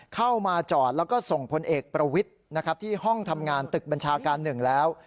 เข้ามาจอดแล้วก็ส่งพลเอกประวิทย์นะครับที่ห้องทำงานตึกบัญชาการหนึ่งแล้ว